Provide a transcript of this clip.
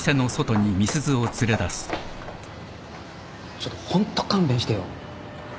ちょっとホント勘弁してよ。